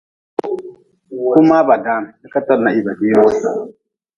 Kuma ba dan likatod na hii ba biiri wu.